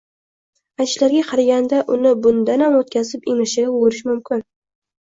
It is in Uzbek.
Aytishlariga qaraganda, uni bundanam o’tkazib inglizchaga o’girish mumkin.